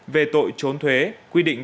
về tội trốn thuế quy định